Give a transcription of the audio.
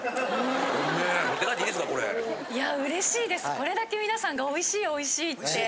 これだけ皆さんが「おいしいおいしい」って。